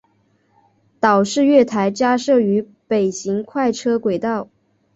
岛式月台加设于北行快车轨道。